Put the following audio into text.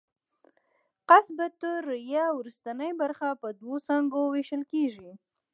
قصبة الریې وروستۍ برخه په دوو څانګو وېشل کېږي.